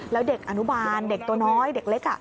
แล้วเด็กอนุบาลเด็กตัวน้อยเด็กเล็ก